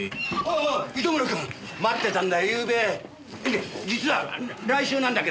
ねえ実は来週なんだけどさあ。